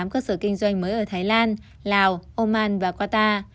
các khách sạn thuộc sở kinh doanh mới ở thái lan lào oman và qatar